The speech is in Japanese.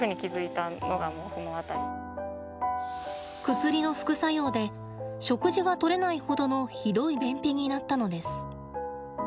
薬の副作用で食事がとれないほどのひどい便秘になったのです。